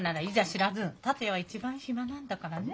知らず達也は一番暇なんだからね。